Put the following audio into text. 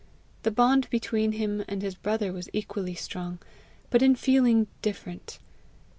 The bond between him and his brother was equally strong, but in feeling different.